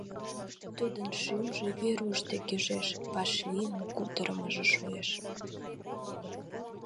Тудын шӱмжӧ Веруш дек ӱжеш, вашлийын кутырымыжо шуэш.